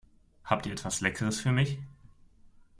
Habt ihr etwas Leckeres für mich?